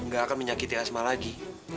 gak akan menyakiti asma lagi